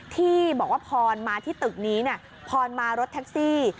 ที่บอกว่าพรมาที่ตึกนี้พรมารถแท็กซี่